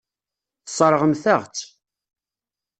Tesseṛɣemt-aɣ-tt.